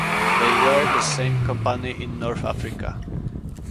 They were in the same Company in North Africa.